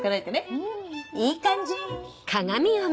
うんいい感じ！